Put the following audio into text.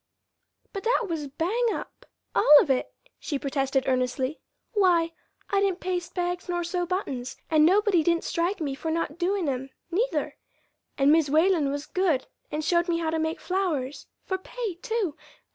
"But that was bang up all of it," she protested earnestly. "Why, I didn't paste bags nor sew buttons, and nobody didn't strike me for not doin' 'em, neither; and Mis' Whalen was good and showed me how to make flowers for pay, too!